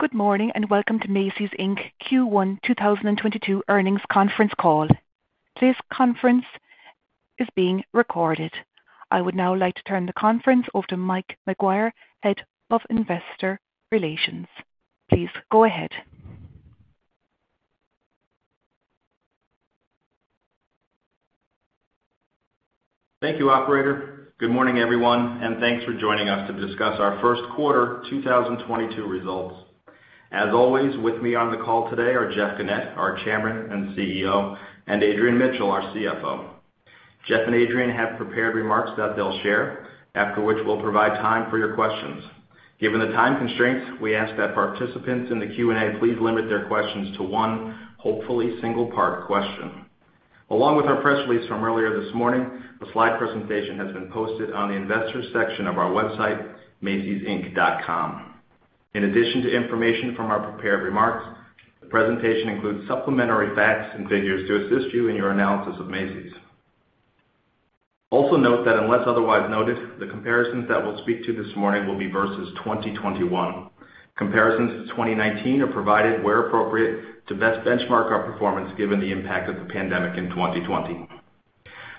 Good morning, and welcome to Macy's, Inc. Q1 2022 earnings conference call. This conference is being recorded. I would now like to turn the conference over to Mike McGuire, Head of Investor Relations. Please go ahead. Thank you, operator. Good morning, everyone, and thanks for joining us to discuss our first quarter 2022 results. As always, with me on the call today are Jeff Gennette, our Chairman and CEO, and Adrian Mitchell, our CFO. Jeff and Adrian have prepared remarks that they'll share, after which we'll provide time for your questions. Given the time constraints, we ask that participants in the Q&A please limit their questions to one, hopefully single part question. Along with our press release from earlier this morning, a slide presentation has been posted on the investors section of our website, macysinc.com. In addition to information from our prepared remarks, the presentation includes supplementary facts and figures to assist you in your analysis of Macy's. Also note that unless otherwise noted, the comparisons that we'll speak to this morning will be versus 2021. Comparisons to 2019 are provided where appropriate to best benchmark our performance given the impact of the pandemic in 2020.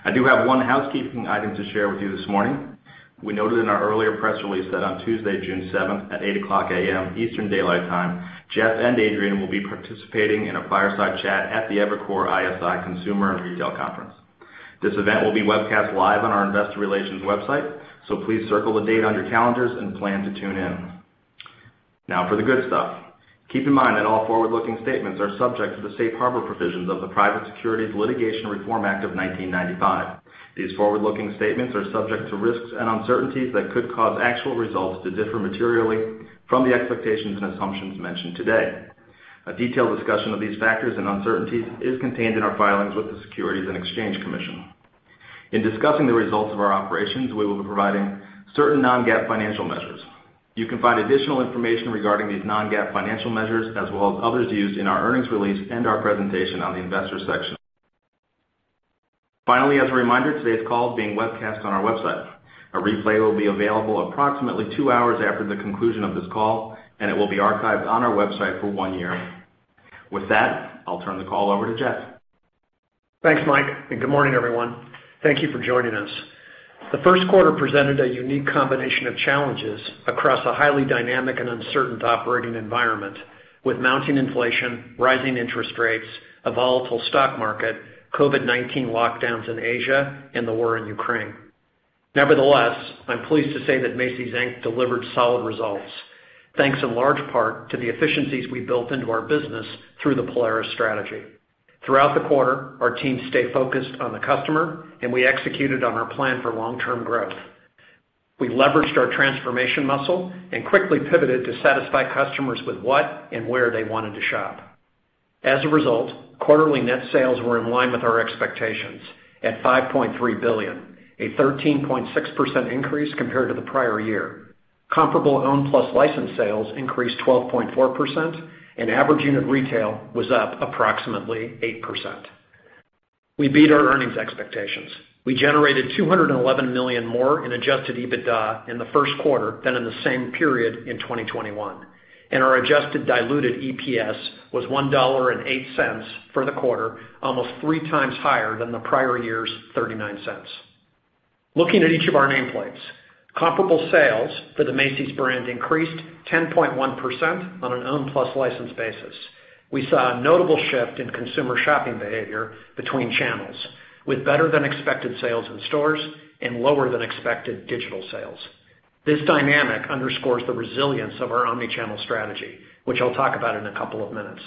I do have one housekeeping item to share with you this morning. We noted in our earlier press release that on Tuesday, June 7 at 8:00 A.M. Eastern Daylight Time, Jeff and Adrian will be participating in a fireside chat at the Evercore ISI Consumer and Retail Conference. This event will be webcast live on our investor relations website, so please circle the date on your calendars and plan to tune in. Now for the good stuff. Keep in mind that all forward-looking statements are subject to the Safe Harbor provisions of the Private Securities Litigation Reform Act of 1995. These forward-looking statements are subject to risks and uncertainties that could cause actual results to differ materially from the expectations and assumptions mentioned today. A detailed discussion of these factors and uncertainties is contained in our filings with the Securities and Exchange Commission. In discussing the results of our operations, we will be providing certain non-GAAP financial measures. You can find additional information regarding these non-GAAP financial measures as well as others used in our earnings release and our presentation on the investors section. Finally, as a reminder, today's call is being webcast on our website. A replay will be available approximately two hours after the conclusion of this call, and it will be archived on our website for one year. With that, I'll turn the call over to Jeff. Thanks, Mike, and good morning, everyone. Thank you for joining us. The first quarter presented a unique combination of challenges across a highly dynamic and uncertain operating environment with mounting inflation, rising interest rates, a volatile stock market, COVID-19 lockdowns in Asia, and the war in Ukraine. Nevertheless, I'm pleased to say that Macy's, Inc. delivered solid results, thanks in large part to the efficiencies we built into our business through the Polaris strategy. Throughout the quarter, our teams stayed focused on the customer, and we executed on our plan for long-term growth. We leveraged our transformation muscle and quickly pivoted to satisfy customers with what and where they wanted to shop. As a result, quarterly net sales were in line with our expectations at $5.3 billion, a 13.6% increase compared to the prior year. Comparable owned plus licensed sales increased 12.4%, and average unit retail was up approximately 8%. We beat our earnings expectations. We generated $211 million more in adjusted EBITDA in the first quarter than in the same period in 2021, and our adjusted diluted EPS was $1.08 for the quarter, almost three times higher than the prior year's $0.39. Looking at each of our nameplates, comparable sales for the Macy's brand increased 10.1% on an owned plus licensed basis. We saw a notable shift in consumer shopping behavior between channels with better-than-expected sales in stores and lower-than-expected digital sales. This dynamic underscores the resilience of our omnichannel strategy, which I'll talk about in a couple of minutes.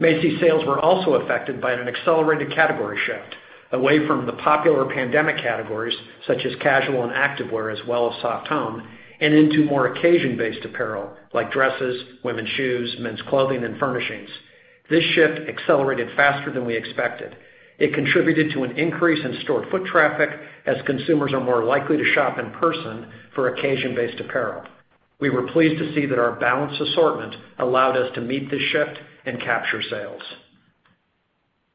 Macy's sales were also affected by an accelerated category shift away from the popular pandemic categories such as casual and activewear, as well as soft home, and into more occasion-based apparel like dresses, women's shoes, men's clothing and furnishings. This shift accelerated faster than we expected. It contributed to an increase in store foot traffic as consumers are more likely to shop in person for occasion-based apparel. We were pleased to see that our balanced assortment allowed us to meet this shift and capture sales.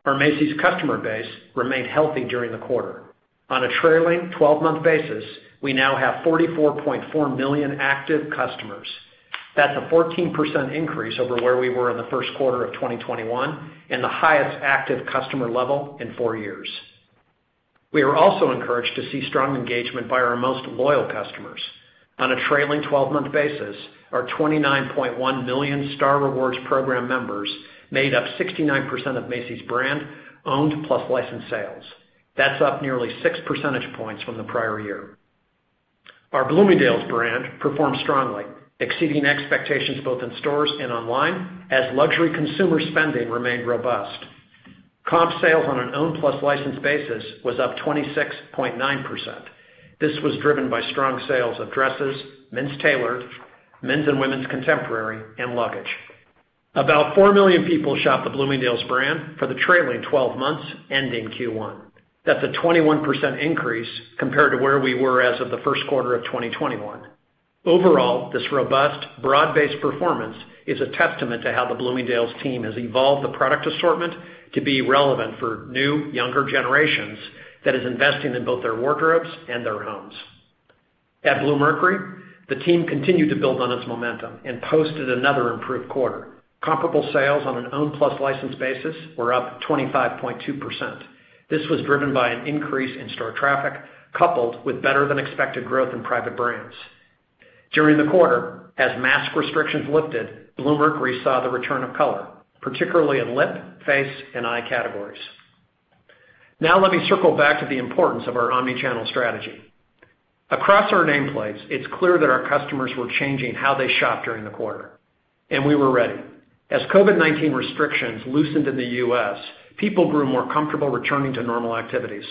Our Macy's customer base remained healthy during the quarter. On a trailing twelve-month basis, we now have 44.4 million active customers. That's a 14% increase over where we were in the first quarter of 2021 and the highest active customer level in four years. We are also encouraged to see strong engagement by our most loyal customers. On a trailing twelve-month basis, our 29.1 million Star Rewards program members made up 69% of Macy's brand owned plus licensed sales. That's up nearly six percentage points from the prior year. Our Bloomingdale's brand performed strongly, exceeding expectations both in stores and online as luxury consumer spending remained robust. Comp sales on an owned plus licensed basis was up 26.9%. This was driven by strong sales of dresses, men's tailored, men's and women's contemporary, and luggage. About 4 million people shopped the Bloomingdale's brand for the trailing twelve months ending Q1. That's a 21% increase compared to where we were as of the first quarter of 2021. Overall, this robust, broad-based performance is a testament to how the Bloomingdale's team has evolved the product assortment to be relevant for new, younger generations that is investing in both their wardrobes and their homes. At Bluemercury, the team continued to build on its momentum and posted another improved quarter. Comparable sales on an owned plus licensed basis were up 25.2%. This was driven by an increase in store traffic, coupled with better-than-expected growth in private brands. During the quarter, as mask restrictions lifted, Bluemercury saw the return of color, particularly in lip, face, and eye categories. Now let me circle back to the importance of our omnichannel strategy. Across our nameplates, it's clear that our customers were changing how they shopped during the quarter, and we were ready. As COVID-19 restrictions loosened in the US, people grew more comfortable returning to normal activities.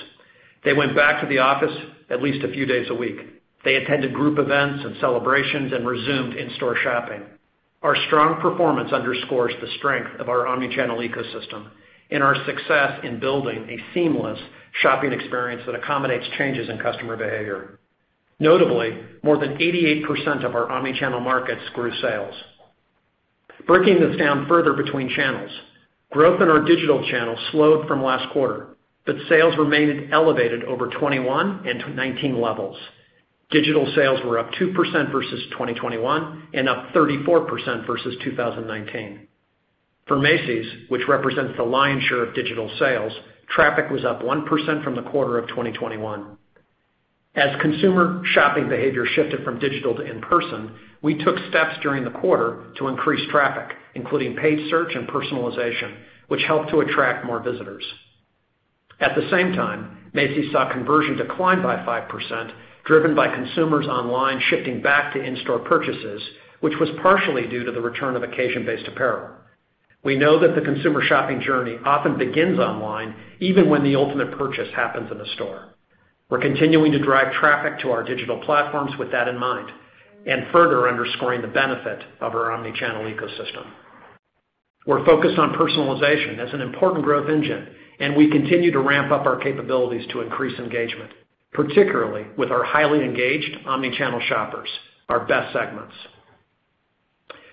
They went back to the office at least a few days a week. They attended group events and celebrations and resumed in-store shopping. Our strong performance underscores the strength of our omnichannel ecosystem and our success in building a seamless shopping experience that accommodates changes in customer behavior. Notably, more than 88% of our omnichannel markets grew sales. Breaking this down further between channels, growth in our digital channel slowed from last quarter, but sales remained elevated over 2021 and 2019 levels. Digital sales were up 2% versus 2021 and up 34% versus 2019. For Macy's, which represents the lion's share of digital sales, traffic was up 1% from the quarter of 2021. As consumer shopping behavior shifted from digital to in-person, we took steps during the quarter to increase traffic, including paid search and personalization, which helped to attract more visitors. At the same time, Macy's saw conversion decline by 5%, driven by consumers online shifting back to in-store purchases, which was partially due to the return of occasion-based apparel. We know that the consumer shopping journey often begins online, even when the ultimate purchase happens in the store. We're continuing to drive traffic to our digital platforms with that in mind and further underscoring the benefit of our omnichannel ecosystem. We're focused on personalization as an important growth engine, and we continue to ramp up our capabilities to increase engagement, particularly with our highly engaged omnichannel shoppers, our best segments.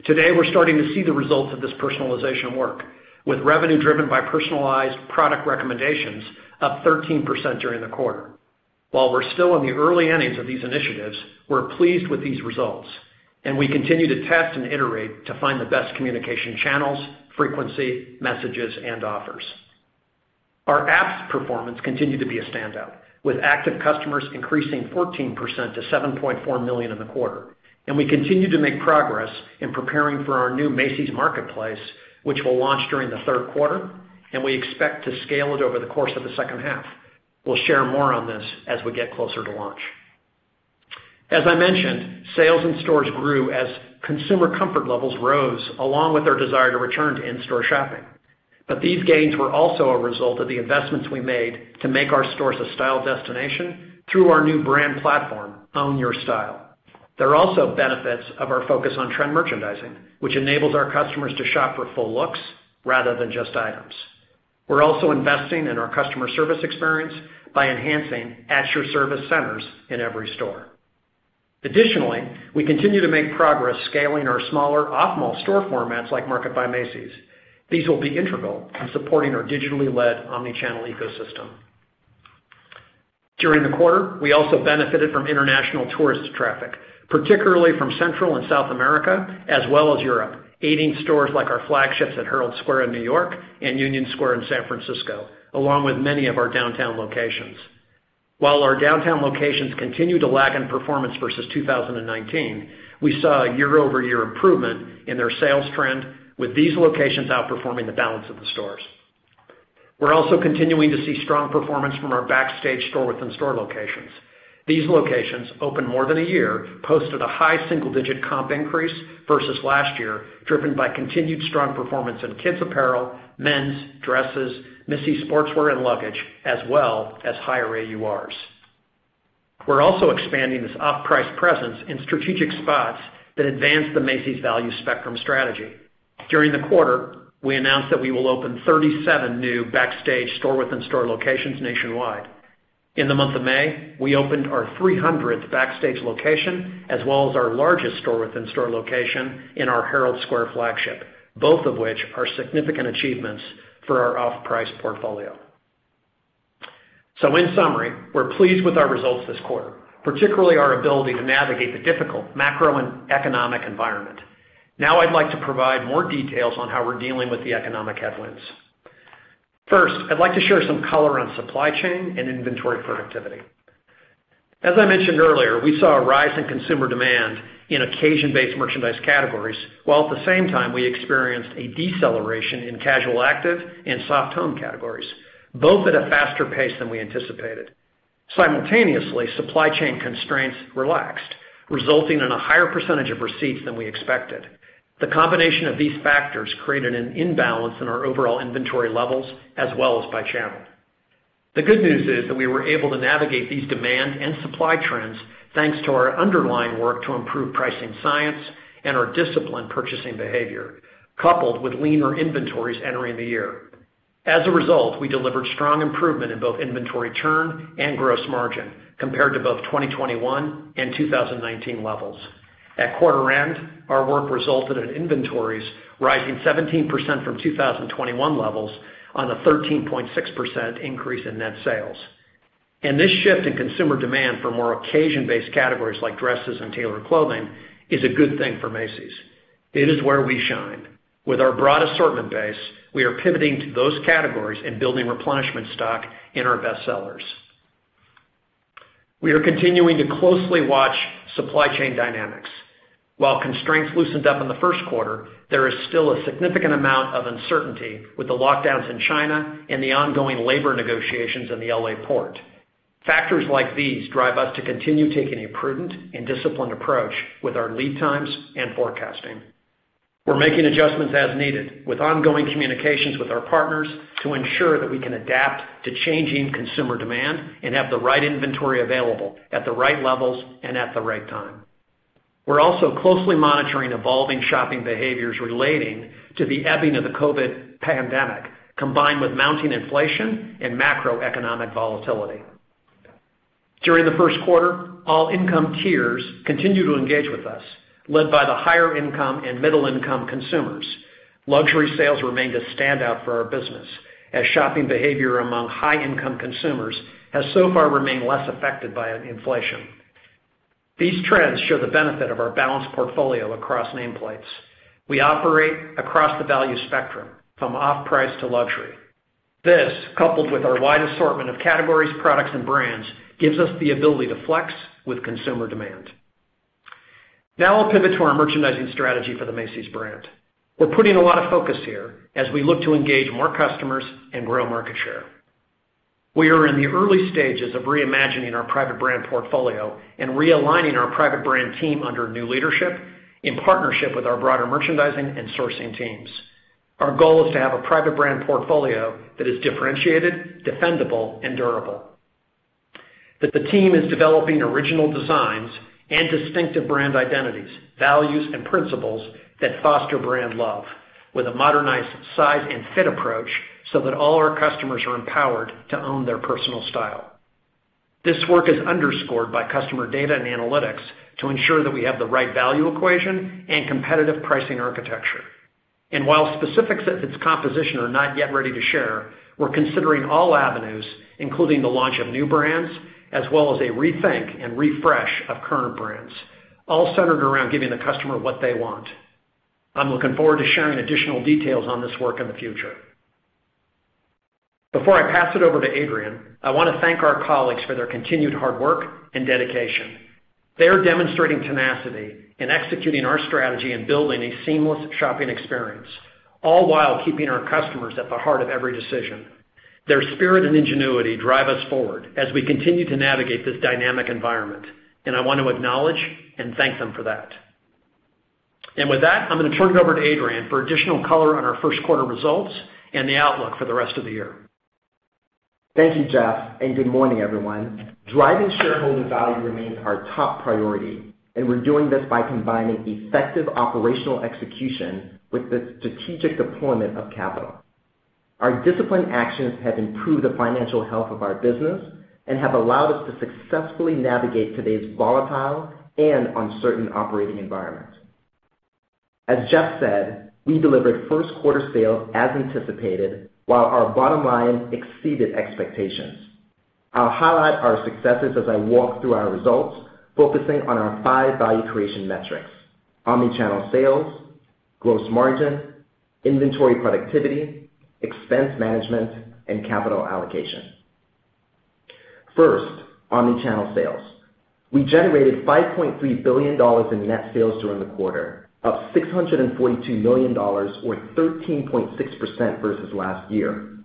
Today, we're starting to see the results of this personalization work with revenue driven by personalized product recommendations up 13% during the quarter. While we're still in the early innings of these initiatives, we're pleased with these results, and we continue to test and iterate to find the best communication channels, frequency, messages, and offers. Our app's performance continued to be a standout, with active customers increasing 14% to 7.4 million in the quarter, and we continue to make progress in preparing for our new Macy's Marketplace, which will launch during the third quarter, and we expect to scale it over the course of the second half. We'll share more on this as we get closer to launch. As I mentioned, sales in stores grew as consumer comfort levels rose, along with their desire to return to in-store shopping. These gains were also a result of the investments we made to make our stores a style destination through our new brand platform, Own Your Style. There are also benefits of our focus on trend merchandising, which enables our customers to shop for full looks rather than just items. We're also investing in our customer service experience by enhancing at-your-service centers in every store. Additionally, we continue to make progress scaling our smaller off-mall store formats like Market by Macy's. These will be integral in supporting our digitally led omnichannel ecosystem. During the quarter, we also benefited from international tourist traffic, particularly from Central and South America, as well as Europe, aiding stores like our flagships at Herald Square in New York and Union Square in San Francisco, along with many of our downtown locations. While our downtown locations continue to lag in performance versus 2019, we saw a year-over-year improvement in their sales trend, with these locations outperforming the balance of the stores. We're also continuing to see strong performance from our Backstage store-within-store locations. These locations, open more than a year, posted a high single-digit comp increase versus last year, driven by continued strong performance in kids' apparel, men's, dresses, Missy Sportswear and luggage, as well as higher AURs. We're also expanding this off-price presence in strategic spots that advance the Macy's value spectrum strategy. During the quarter, we announced that we will open 37 new Backstage store-within-store locations nationwide. In the month of May, we opened our 300th Backstage location, as well as our largest store-within-store location in our Herald Square flagship, both of which are significant achievements for our off-price portfolio. In summary, we're pleased with our results this quarter, particularly our ability to navigate the difficult macro and economic environment. Now I'd like to provide more details on how we're dealing with the economic headwinds. First, I'd like to share some color on supply chain and inventory productivity. As I mentioned earlier, we saw a rise in consumer demand in occasion-based merchandise categories, while at the same time, we experienced a deceleration in casual active and soft home categories, both at a faster pace than we anticipated. Simultaneously, supply chain constraints relaxed, resulting in a higher percentage of receipts than we expected. The combination of these factors created an imbalance in our overall inventory levels as well as by channel. The good news is that we were able to navigate these demand and supply trends thanks to our underlying work to improve pricing science and our disciplined purchasing behavior, coupled with leaner inventories entering the year. As a result, we delivered strong improvement in both inventory turn and gross margin compared to both 2021 and 2019 levels. At quarter end, our work resulted in inventories rising 17% from 2021 levels on a 13.6% increase in net sales. This shift in consumer demand for more occasion-based categories like dresses and tailored clothing is a good thing for Macy's. It is where we shine. With our broad assortment base, we are pivoting to those categories and building replenishment stock in our best sellers. We are continuing to closely watch supply chain dynamics. While constraints loosened up in the first quarter, there is still a significant amount of uncertainty with the lockdowns in China and the ongoing labor negotiations in the L.A. port. Factors like these drive us to continue taking a prudent and disciplined approach with our lead times and forecasting. We're making adjustments as needed with ongoing communications with our partners to ensure that we can adapt to changing consumer demand and have the right inventory available at the right levels and at the right time. We're also closely monitoring evolving shopping behaviors relating to the ebbing of the COVID pandemic, combined with mounting inflation and macroeconomic volatility. During the first quarter, all income tiers continued to engage with us, led by the higher income and middle income consumers. Luxury sales remained a standout for our business as shopping behavior among high income consumers has so far remained less affected by inflation. These trends show the benefit of our balanced portfolio across nameplates. We operate across the value spectrum from off-price to luxury. This, coupled with our wide assortment of categories, products, and brands, gives us the ability to flex with consumer demand. Now I'll pivot to our merchandising strategy for the Macy's brand. We're putting a lot of focus here as we look to engage more customers and grow market share. We are in the early stages of reimagining our private brand portfolio and realigning our private brand team under new leadership in partnership with our broader merchandising and sourcing teams. Our goal is to have a private brand portfolio that is differentiated, defendable, and durable. That the team is developing original designs and distinctive brand identities, values, and principles that foster brand love with a modernized size and fit approach, so that all our customers are empowered to own their personal style. This work is underscored by customer data and analytics to ensure that we have the right value equation and competitive pricing architecture. While specifics of its composition are not yet ready to share, we're considering all avenues, including the launch of new brands, as well as a rethink and refresh of current brands, all centered around giving the customer what they want. I'm looking forward to sharing additional details on this work in the future. Before I pass it over to Adrian, I want to thank our colleagues for their continued hard work and dedication. They are demonstrating tenacity in executing our strategy and building a seamless shopping experience, all while keeping our customers at the heart of every decision. Their spirit and ingenuity drive us forward as we continue to navigate this dynamic environment, and I want to acknowledge and thank them for that. With that, I'm going to turn it over to Adrian for additional color on our first quarter results and the outlook for the rest of the year. Thank you, Jeff, and good morning, everyone. Driving shareholder value remains our top priority, and we're doing this by combining effective operational execution with the strategic deployment of capital. Our disciplined actions have improved the financial health of our business and have allowed us to successfully navigate today's volatile and uncertain operating environment. As Jeff said, we delivered first quarter sales as anticipated, while our bottom line exceeded expectations. I'll highlight our successes as I walk through our results, focusing on our five value creation metrics, omnichannel sales, gross margin, inventory productivity, expense management, and capital allocation. First, omnichannel sales. We generated $5.3 billion in net sales during the quarter, up $642 million or 13.6% versus last year.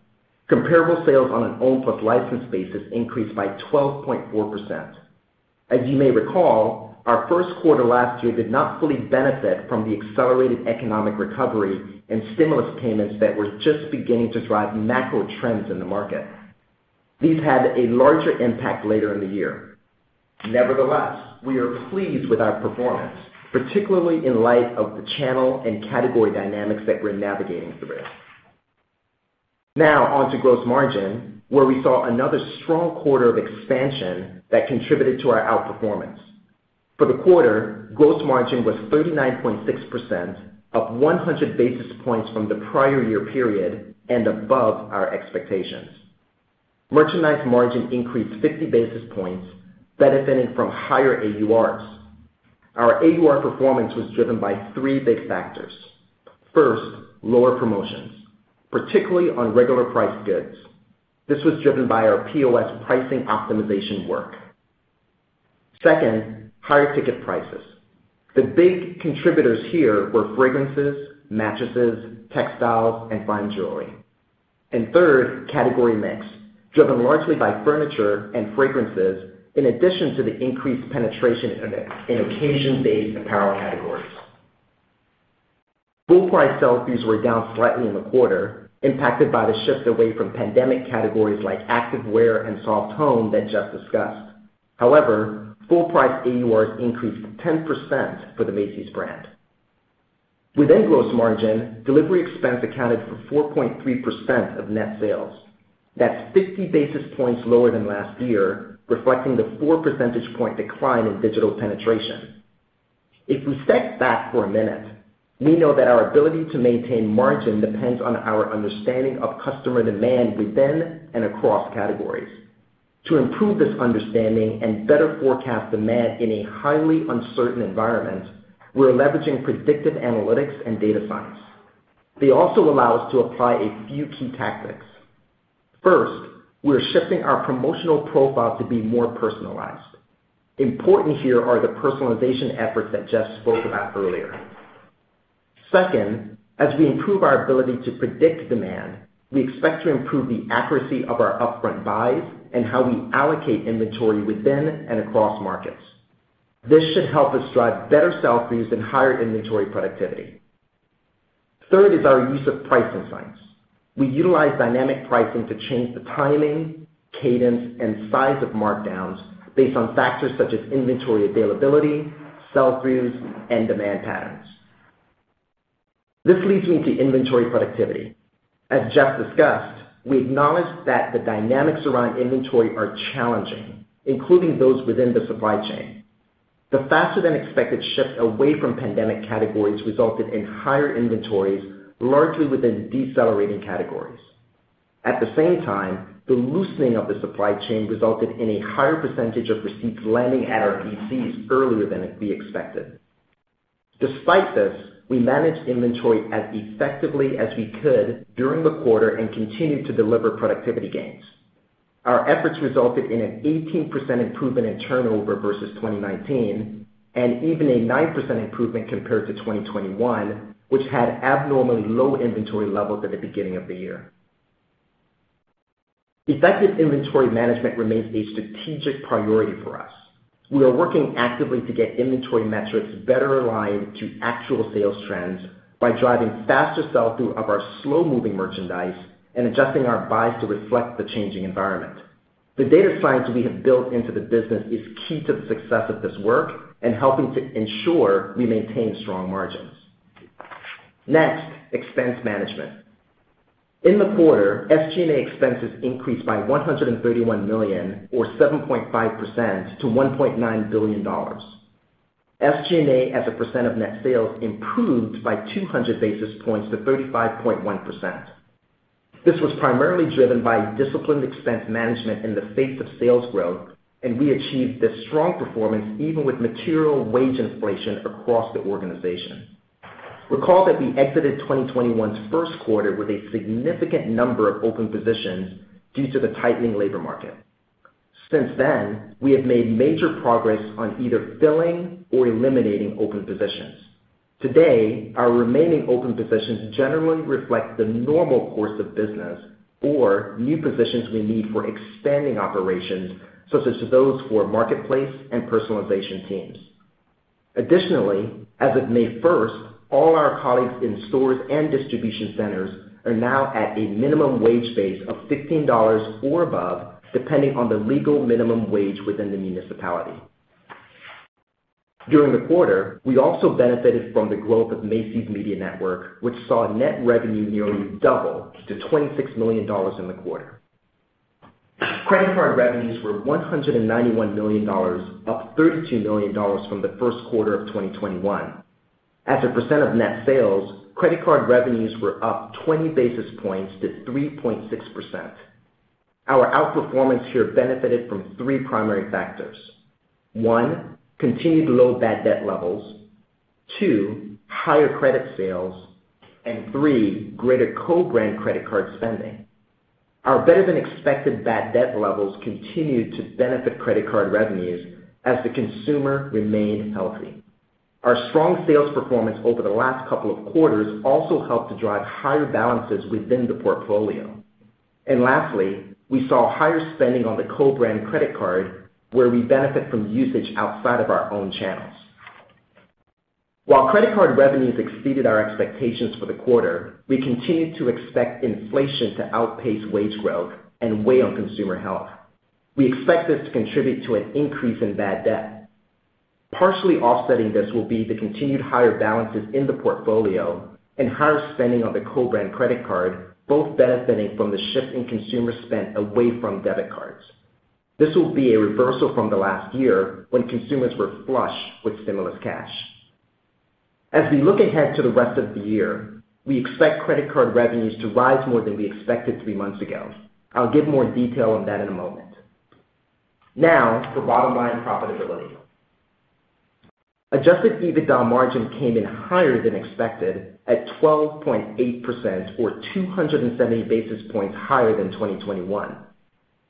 Comparable sales on an owned plus licensed basis increased by 12.4%. As you may recall, our first quarter last year did not fully benefit from the accelerated economic recovery and stimulus payments that were just beginning to drive macro trends in the market. These had a larger impact later in the year. Nevertheless, we are pleased with our performance, particularly in light of the channel and category dynamics that we're navigating through. Now on to gross margin, where we saw another strong quarter of expansion that contributed to our outperformance. For the quarter, gross margin was 39.6%, up 100 basis points from the prior year period and above our expectations. Merchandise margin increased 50 basis points, benefiting from higher AURs. Our AUR performance was driven by three big factors. First, lower promotions, particularly on regular priced goods. This was driven by our POS pricing optimization work. Second, higher ticket prices. The big contributors here were fragrances, mattresses, textiles, and fine jewelry. Third, category mix, driven largely by furniture and fragrances, in addition to the increased penetration in occasion-based apparel categories. Full price sell-throughs were down slightly in the quarter, impacted by the shift away from pandemic categories like activewear and soft home that Jeff discussed. However, full price AUR increased 10% for the Macy's brand. Within gross margin, delivery expense accounted for 4.3% of net sales. That's 50 basis points lower than last year, reflecting the 4 percentage point decline in digital penetration. If we step back for a minute, we know that our ability to maintain margin depends on our understanding of customer demand within and across categories. To improve this understanding and better forecast demand in a highly uncertain environment, we're leveraging predictive analytics and data science. They also allow us to apply a few key tactics. First, we are shifting our promotional profile to be more personalized. Important here are the personalization efforts that Jeff spoke about earlier. Second, as we improve our ability to predict demand, we expect to improve the accuracy of our upfront buys and how we allocate inventory within and across markets. This should help us drive better sell-throughs and higher inventory productivity. Third is our use of pricing science. We utilize dynamic pricing to change the timing, cadence, and size of markdowns based on factors such as inventory availability, sell-throughs, and demand patterns. This leads me to inventory productivity. As Jeff discussed, we acknowledge that the dynamics around inventory are challenging, including those within the supply chain. The faster than expected shift away from pandemic categories resulted in higher inventories, largely within decelerating categories. At the same time, the loosening of the supply chain resulted in a higher percentage of receipts landing at our DCs earlier than we expected. Despite this, we managed inventory as effectively as we could during the quarter and continued to deliver productivity gains. Our efforts resulted in an 18% improvement in turnover versus 2019, and even a 9% improvement compared to 2021, which had abnormally low inventory levels at the beginning of the year. Effective inventory management remains a strategic priority for us. We are working actively to get inventory metrics better aligned to actual sales trends by driving faster sell-through of our slow-moving merchandise and adjusting our buys to reflect the changing environment. The data science we have built into the business is key to the success of this work and helping to ensure we maintain strong margins. Next, expense management. In the quarter, SG&A expenses increased by $131 million or 7.5% to $1.9 billion. SG&A as a percent of net sales improved by 200 basis points to 35.1%. This was primarily driven by disciplined expense management in the face of sales growth, and we achieved this strong performance even with material wage inflation across the organization. Recall that we exited 2021's first quarter with a significant number of open positions due to the tightening labor market. Since then, we have made major progress on either filling or eliminating open positions. Today, our remaining open positions generally reflect the normal course of business or new positions we need for expanding operations, such as those for marketplace and personalization teams. Additionally, as of May 1, all our colleagues in stores and distribution centers are now at a minimum wage base of $15 or above, depending on the legal minimum wage within the municipality. During the quarter, we also benefited from the growth of Macy's Media Network, which saw net revenue nearly double to $26 million in the quarter. Credit card revenues were $191 million, up $32 million from the first quarter of 2021. As a percent of net sales, credit card revenues were up 20 basis points to 3.6%. Our outperformance here benefited from three primary factors. One, continued low bad debt levels. Two, higher credit sales. And three, greater co-brand credit card spending. Our better than expected bad debt levels continued to benefit credit card revenues as the consumer remained healthy. Our strong sales performance over the last couple of quarters also helped to drive higher balances within the portfolio. Lastly, we saw higher spending on the co-brand credit card, where we benefit from usage outside of our own channels. While credit card revenues exceeded our expectations for the quarter, we continued to expect inflation to outpace wage growth and weigh on consumer health. We expect this to contribute to an increase in bad debt. Partially offsetting this will be the continued higher balances in the portfolio and higher spending on the co-brand credit card, both benefiting from the shift in consumer spend away from debit cards. This will be a reversal from the last year when consumers were flush with stimulus cash. As we look ahead to the rest of the year, we expect credit card revenues to rise more than we expected three months ago. I'll give more detail on that in a moment. Now for bottom line profitability. Adjusted EBITDA margin came in higher than expected at 12.8% or 270 basis points higher than 2021.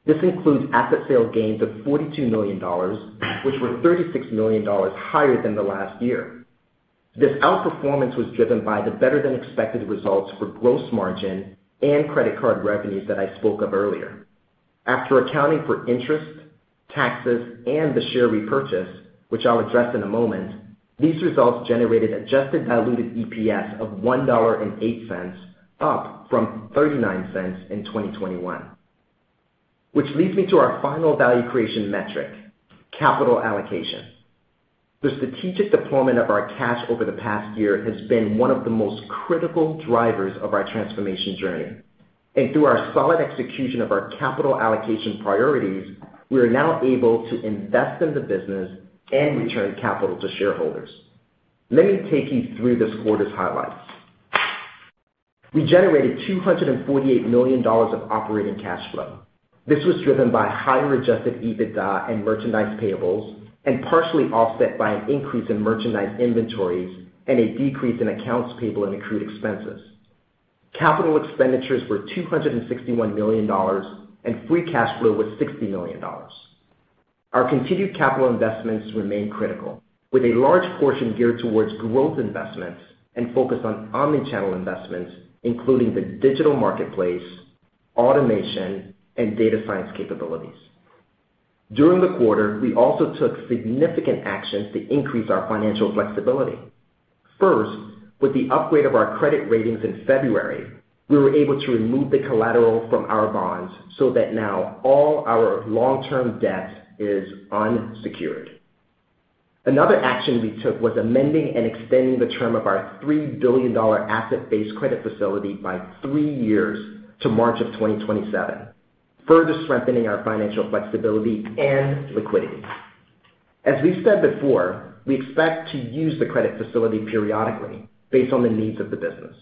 This includes asset sale gains of $42 million, which were $36 million higher than the last year. This outperformance was driven by the better than expected results for gross margin and credit card revenues that I spoke of earlier. After accounting for interest, taxes, and the share repurchase, which I'll address in a moment, these results generated adjusted diluted EPS of $1.08, up from $0.39 in 2021. Which leads me to our final value creation metric, capital allocation. The strategic deployment of our cash over the past year has been one of the most critical drivers of our transformation journey. Through our solid execution of our capital allocation priorities, we are now able to invest in the business and return capital to shareholders. Let me take you through this quarter's highlights. We generated $248 million of operating cash flow. This was driven by higher adjusted EBITDA and merchandise payables, and partially offset by an increase in merchandise inventories and a decrease in accounts payable and accrued expenses. Capital expenditures were $261 million, and free cash flow was $60 million. Our continued capital investments remain critical, with a large portion geared towards growth investments and focused on omni-channel investments, including the digital marketplace, automation, and data science capabilities. During the quarter, we also took significant actions to increase our financial flexibility. First, with the upgrade of our credit ratings in February, we were able to remove the collateral from our bonds so that now all our long-term debt is unsecured. Another action we took was amending and extending the term of our $3 billion asset-based credit facility by three years to March 2027, further strengthening our financial flexibility and liquidity. As we said before, we expect to use the credit facility periodically based on the needs of the business.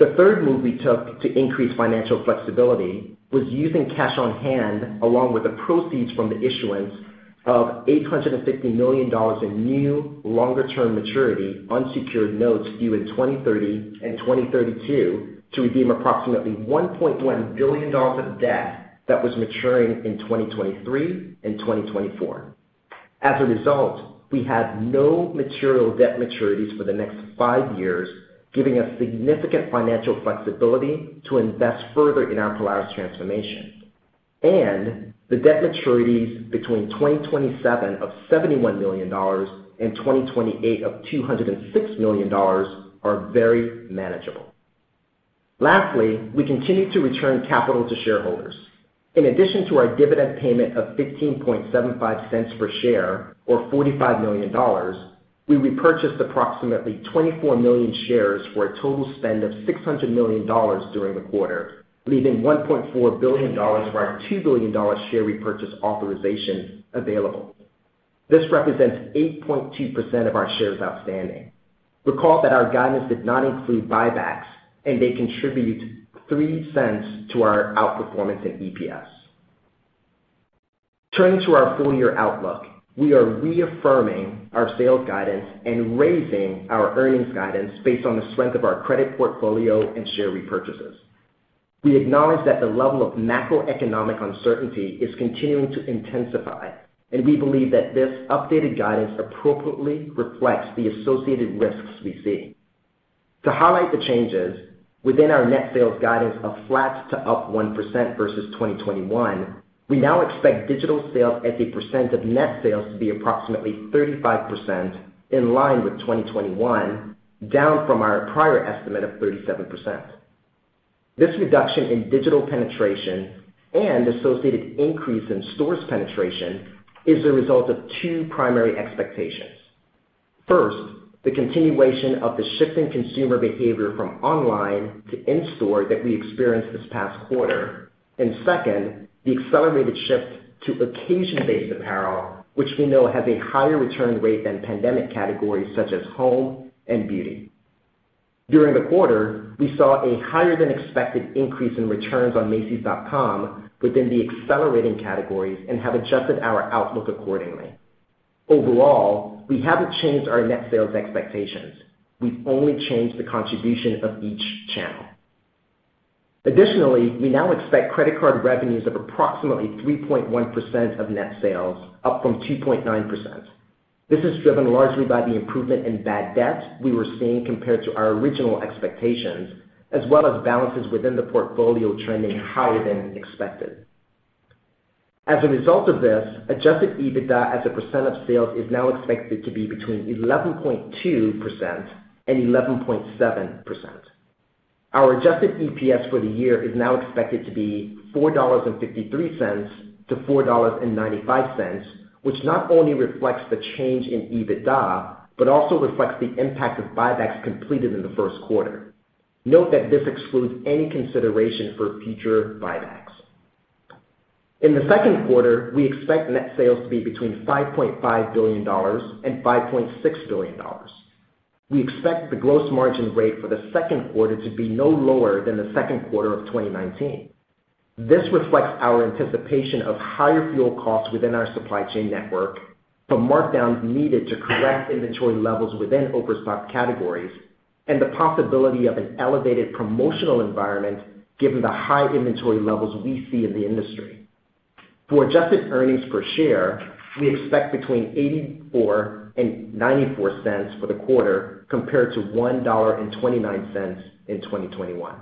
The third move we took to increase financial flexibility was using cash on hand along with the proceeds from the issuance of $850 million in new longer-term maturity unsecured notes due in 2030 and 2032 to redeem approximately $1.1 billion of debt that was maturing in 2023 and 2024. As a result, we have no material debt maturities for the next 5 years, giving us significant financial flexibility to invest further in our Polaris transformation. The debt maturities between 2027 of $71 million and 2028 of $206 million are very manageable. Lastly, we continue to return capital to shareholders. In addition to our dividend payment of $0.1575 per share or $45 million, we repurchased approximately 24 million shares for a total spend of $600 million during the quarter, leaving $1.4 billion of our $2 billion share repurchase authorization available. This represents 8.2% of our shares outstanding. Recall that our guidance did not include buybacks, and they contribute $0.03 to our outperformance in EPS. Turning to our full year outlook, we are reaffirming our sales guidance and raising our earnings guidance based on the strength of our credit portfolio and share repurchases. We acknowledge that the level of macroeconomic uncertainty is continuing to intensify, and we believe that this updated guidance appropriately reflects the associated risks we see. To highlight the changes, within our net sales guidance of flat to up 1% versus 2021, we now expect digital sales as a percent of net sales to be approximately 35% in line with 2021, down from our prior estimate of 37%. This reduction in digital penetration and associated increase in stores penetration is the result of two primary expectations. First, the continuation of the shift in consumer behavior from online to in-store that we experienced this past quarter. Second, the accelerated shift to occasion-based apparel, which we know has a higher return rate than pandemic categories such as home and beauty. During the quarter, we saw a higher than expected increase in returns on macys.com within the accelerating categories and have adjusted our outlook accordingly. Overall, we haven't changed our net sales expectations. We've only changed the contribution of each channel. Additionally, we now expect credit card revenues of approximately 3.1% of net sales, up from 2.9%. This is driven largely by the improvement in bad debt we were seeing compared to our original expectations, as well as balances within the portfolio trending higher than expected. As a result of this, adjusted EBITDA as a percent of sales is now expected to be between 11.2% and 11.7%. Our adjusted EPS for the year is now expected to be $4.53-$4.95, which not only reflects the change in EBITDA, but also reflects the impact of buybacks completed in the first quarter. Note that this excludes any consideration for future buybacks. In the second quarter, we expect net sales to be between $5.5 billion and $5.6 billion. We expect the gross margin rate for the second quarter to be no lower than the second quarter of 2019. This reflects our anticipation of higher fuel costs within our supply chain network, the markdowns needed to correct inventory levels within overstock categories, and the possibility of an elevated promotional environment given the high inventory levels we see in the industry. For adjusted earnings per share, we expect between $0.84 and $0.94 for the quarter, compared to $1.29 in 2021.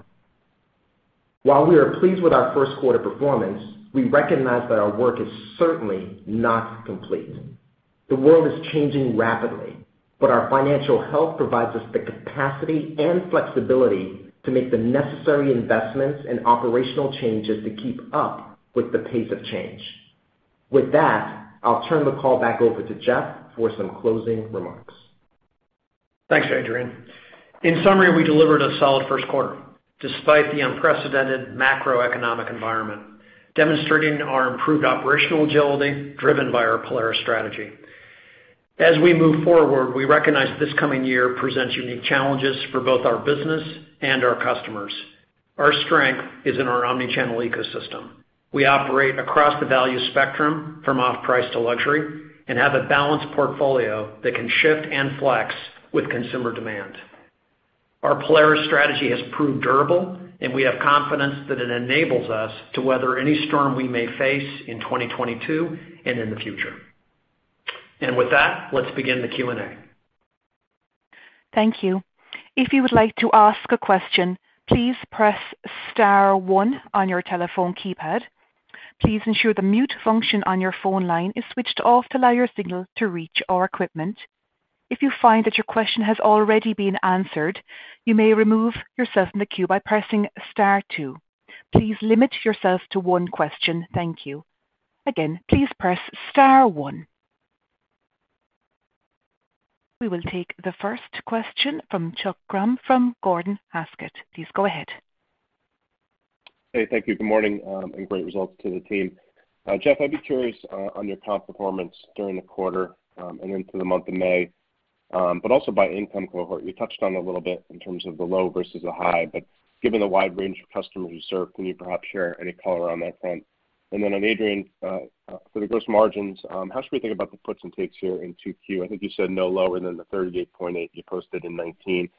While we are pleased with our first quarter performance, we recognize that our work is certainly not complete. The world is changing rapidly, but our financial health provides us the capacity and flexibility to make the necessary investments and operational changes to keep up with the pace of change. With that, I'll turn the call back over to Jeff for some closing remarks. Thanks, Adrian. In summary, we delivered a solid first quarter despite the unprecedented macroeconomic environment, demonstrating our improved operational agility driven by our Polaris strategy. As we move forward, we recognize this coming year presents unique challenges for both our business and our customers. Our strength is in our omni-channel ecosystem. We operate across the value spectrum from off-price to luxury, and have a balanced portfolio that can shift and flex with consumer demand. Our Polaris strategy has proved durable, and we have confidence that it enables us to weather any storm we may face in 2022 and in the future. With that, let's begin the Q&A. Thank you. If you would like to ask a question, please press star one on your telephone keypad. Please ensure the mute function on your phone line is switched off to allow your signal to reach our equipment. If you find that your question has already been answered, you may remove yourself from the queue by pressing star two. Please limit yourself to one question. Thank you. Again, please press star one. We will take the first question from Chuck Grom from Gordon Haskett. Please go ahead. Hey, thank you. Good morning, and great results to the team. Jeff, I'd be curious on your comp performance during the quarter, and into the month of May, but also by income cohort. You touched on it a little bit in terms of the low versus the high. Given the wide range of customers you serve, can you perhaps share any color on that front? Then on Adrian, for the gross margins, how should we think about the puts and takes here in 2Q? I think you said no lower than the 38.8% you posted in 2019.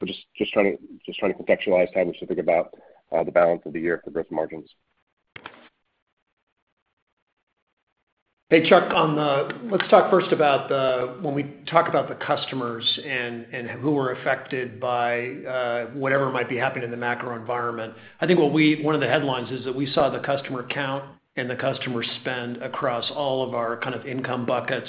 We're just trying to contextualize how we should think about the balance of the year for gross margins. Hey, Chuck, let's talk first about when we talk about the customers and who are affected by whatever might be happening in the macro environment. I think one of the headlines is that we saw the customer count and the customer spend across all of our kind of income buckets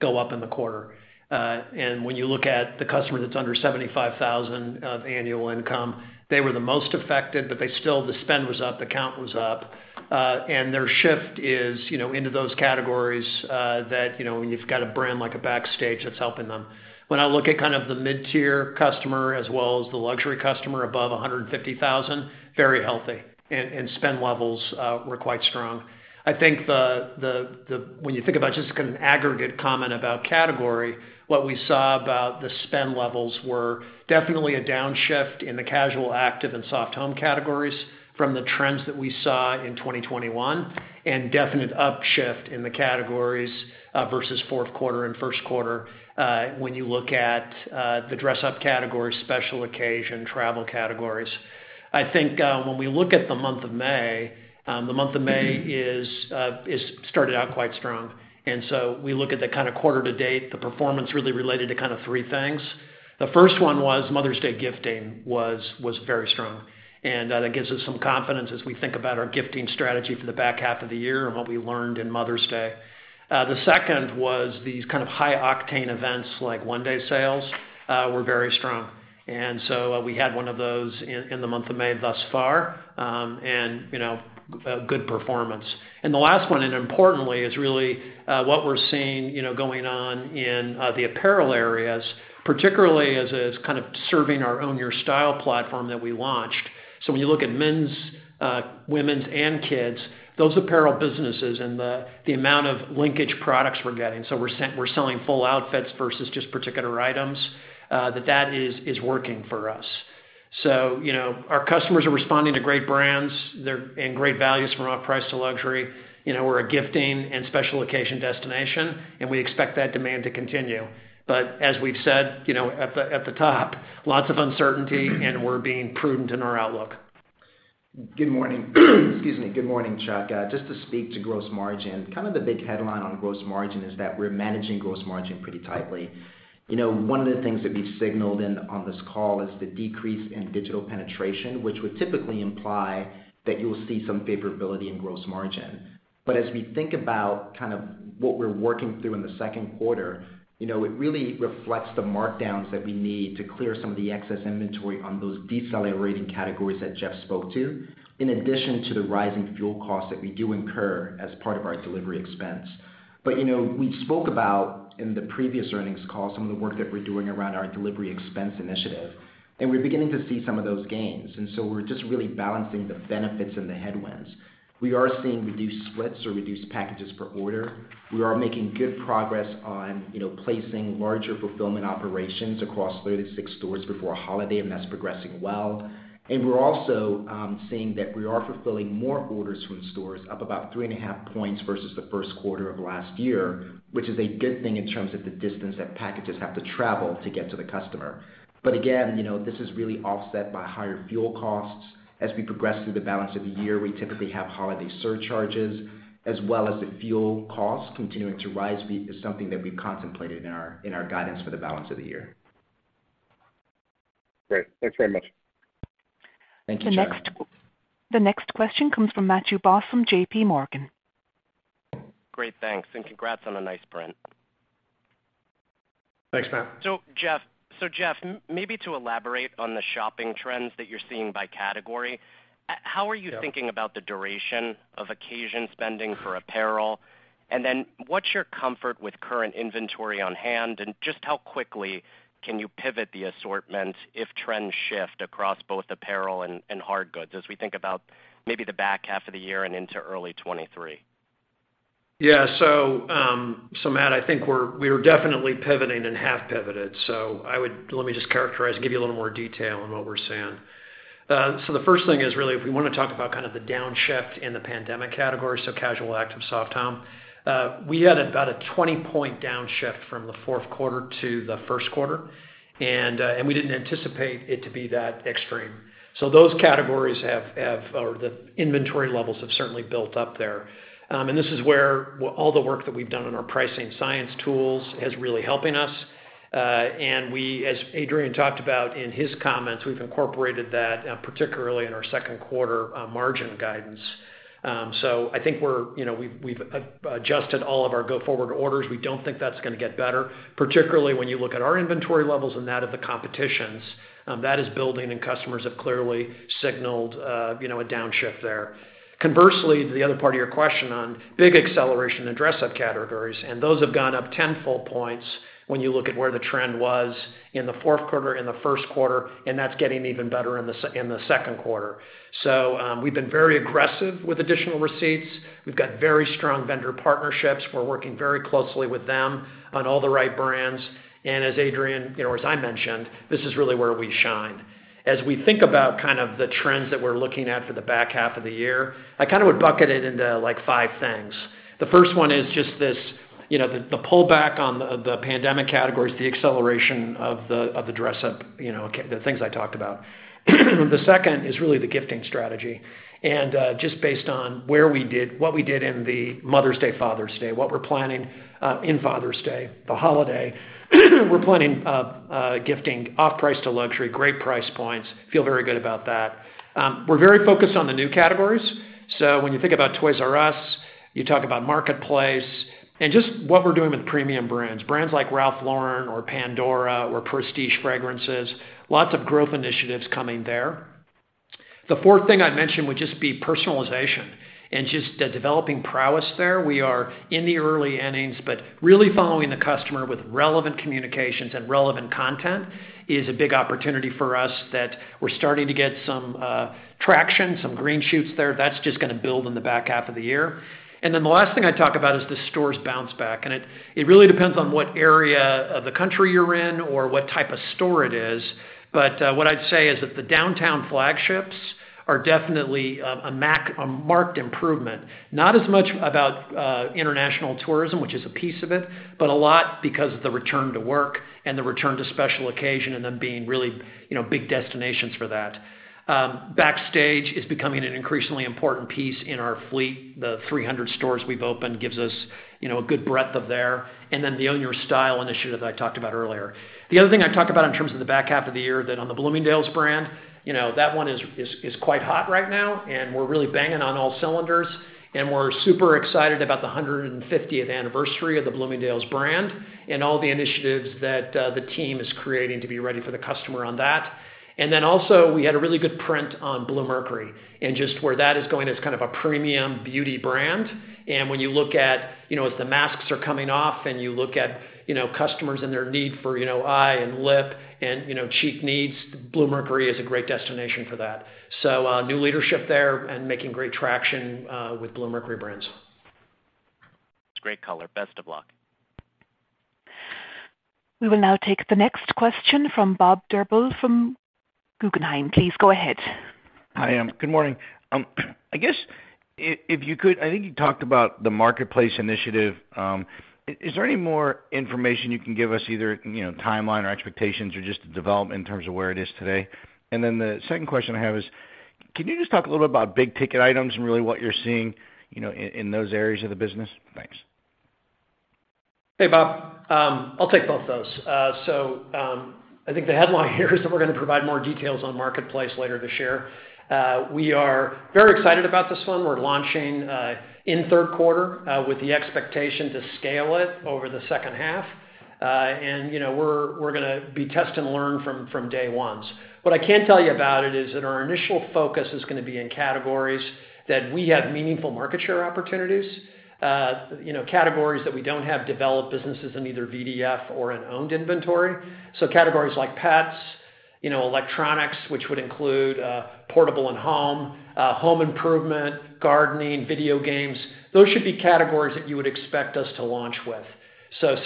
go up in the quarter. When you look at the customer that's under 75,000 of annual income, they were the most affected, but they still the spend was up, the count was up. Their shift is, you know, into those categories that, you know, when you've got a brand like Backstage that's helping them. When I look at kind of the mid-tier customer as well as the luxury customer above 150,000, very healthy and spend levels were quite strong. I think when you think about just kind of an aggregate comment about category, what we saw about the spend levels were definitely a downshift in the casual, active and soft home categories from the trends that we saw in 2021, and definite upshift in the categories versus fourth quarter and first quarter when you look at the dress up category, special occasion, travel categories. I think when we look at the month of May, the month of May started out quite strong. We look at the kind of quarter to date, the performance really related to kind of three things. The first one was Mother's Day gifting was very strong, and that gives us some confidence as we think about our gifting strategy for the back half of the year and what we learned in Mother's Day. The second was these kind of high octane events like one-day sales were very strong. We had one of those in the month of May thus far, and you know, a good performance. The last one, and importantly, is really what we're seeing you know, going on in the apparel areas, particularly as kind of serving our Own Your Style platform that we launched. When you look at men's, women's and kids, those apparel businesses and the amount of linkage products we're getting, we're selling full outfits versus just particular items, that is working for us. You know, our customers are responding to great brands and great values from off-price to luxury. You know, we're a gifting and special occasion destination, and we expect that demand to continue. As we've said, you know, at the top, lots of uncertainty and we're being prudent in our outlook. Good morning. Excuse me. Good morning, Chuck. Just to speak to gross margin, kind of the big headline on gross margin is that we're managing gross margin pretty tightly. You know, one of the things that we signaled in on this call is the decrease in digital penetration, which would typically imply that you'll see some favorability in gross margin. As we think about kind of what we're working through in the second quarter, you know, it really reflects the markdowns that we need to clear some of the excess inventory on those decelerating categories that Jeff spoke to, in addition to the rising fuel costs that we do incur as part of our delivery expense. You know, we spoke about in the previous earnings call some of the work that we're doing around our delivery expense initiative, and we're beginning to see some of those gains. We're just really balancing the benefits and the headwinds. We are seeing reduced splits or reduced packages per order. We are making good progress on, you know, placing larger fulfillment operations across 36 stores before holiday, and that's progressing well. We're also seeing that we are fulfilling more orders from stores up about 3.5 points versus the first quarter of last year, which is a good thing in terms of the distance that packages have to travel to get to the customer. Again, you know, this is really offset by higher fuel costs. As we progress through the balance of the year, we typically have holiday surcharges as well as the fuel costs continuing to rise is something that we've contemplated in our guidance for the balance of the year. Great. Thanks very much. Thank you, John. The next question comes from Matthew Boss from JPMorgan. Great, thanks, and congrats on a nice print. Thanks, Matt. Jeff, maybe to elaborate on the shopping trends that you're seeing by category. Yeah. How are you thinking about the duration of occasion spending for apparel? And then what's your comfort with current inventory on hand? And just how quickly can you pivot the assortment if trends shift across both apparel and hard goods, as we think about maybe the back half of the year and into early 2023? Yeah. Matt, I think we are definitely pivoting and have pivoted. Let me just characterize and give you a little more detail on what we're seeing. The first thing is really if we wanna talk about kind of the downshift in the pandemic category, casual, active, soft home. We had about a 20-point downshift from the fourth quarter to the first quarter. We didn't anticipate it to be that extreme. Those categories, or the inventory levels, have certainly built up there. This is where all the work that we've done on our pricing science tools is really helping us. We, as Adrian talked about in his comments, we've incorporated that, particularly in our second quarter margin guidance. I think we're, you know, we've adjusted all of our go forward orders. We don't think that's gonna get better, particularly when you look at our inventory levels and that of the competition's, that is building and customers have clearly signaled, you know, a downshift there. Conversely, to the other part of your question on big acceleration in dress up categories, and those have gone up 10 full points when you look at where the trend was in the fourth quarter, in the first quarter, and that's getting even better in the second quarter. We've been very aggressive with additional receipts. We've got very strong vendor partnerships. We're working very closely with them on all the right brands. And as Adrian, you know, as I mentioned, this is really where we shine. As we think about kind of the trends that we're looking at for the back half of the year, I kind of would bucket it into, like, five things. The first one is just this, you know, the pullback on the pandemic categories, the acceleration of the dress up, you know, the things I talked about. The second is really the gifting strategy. Just based on what we did in the Mother's Day, Father's Day, what we're planning in Father's Day, the holiday. We're planning gifting off-price to luxury, great price points. Feel very good about that. We're very focused on the new categories. So when you think about Toys 'R' Us, you talk about Marketplace and just what we're doing with premium brands. Brands like Ralph Lauren or Pandora or Prestige Fragrances, lots of growth initiatives coming there. The fourth thing I'd mention would just be personalization and just the developing prowess there. We are in the early innings, but really following the customer with relevant communications and relevant content is a big opportunity for us that we're starting to get some traction, some green shoots there. That's just gonna build in the back half of the year. Then the last thing I'd talk about is the stores bounce back. It really depends on what area of the country you're in or what type of store it is. What I'd say is that the downtown flagships are definitely a marked improvement. Not as much about international tourism, which is a piece of it, but a lot because of the return to work and the return to special occasion and them being really, you know, big destinations for that. Backstage is becoming an increasingly important piece in our fleet. The 300 stores we've opened gives us, you know, a good breadth of there, and then the Own Your Style initiative that I talked about earlier. The other thing I'd talk about in terms of the back half of the year that on the Bloomingdale's brand, you know, that one is quite hot right now, and we're really banging on all cylinders. We're super excited about the 150th anniversary of the Bloomingdale's brand and all the initiatives that the team is creating to be ready for the customer on that. Then also, we had a really good print on Bluemercury. Just where that is going as kind of a premium beauty brand. When you look at, you know, as the masks are coming off and you look at, you know, customers and their need for, you know, eye and lip and, you know, cheek needs, Bluemercury is a great destination for that. New leadership there and making great traction with Bluemercury brands. It's a great color. Best of luck. We will now take the next question from Bob Drbul from Guggenheim. Please go ahead. Hi, good morning. If you could, I think you talked about the Marketplace initiative. Is there any more information you can give us either, you know, timeline or expectations or just the development in terms of where it is today? Then the second question I have is, can you just talk a little bit about big ticket items and really what you're seeing, you know, in those areas of the business? Thanks. Hey, Bob. I'll take both those. I think the headline here is that we're gonna provide more details on Marketplace later this year. We are very excited about this one. We're launching in third quarter with the expectation to scale it over the second half. You know, we're gonna be test and learn from day one. What I can tell you about it is that our initial focus is gonna be in categories that we have meaningful market share opportunities. You know, categories that we don't have developed businesses in either VDF or in owned inventory. Categories like pets, you know, electronics, which would include portable and home improvement, gardening, video games. Those should be categories that you would expect us to launch with.